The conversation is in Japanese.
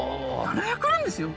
７００年ですよ！？